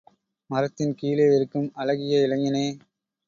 மரத்தின் கீழே இருக்கும் அழகிய இளைஞனே!